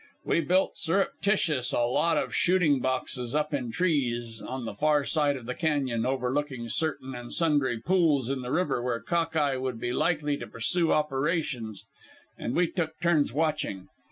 We built surreptitious a lot of shooting boxes up in trees on the far side of the cañon, overlooking certain an' sundry pools in the river where Cock eye would be likely to pursue operations, an' we took turns watching.